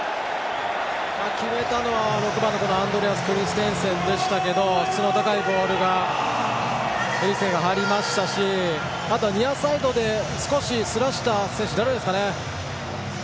決めたのは６番のアンドレアス・クリステンセンでしたが質の高いボールがエリクセンから入りましたしあとはニアサイドで少しずらした選手、誰ですかね。